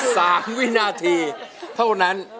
สามวินาทีเท่านั้น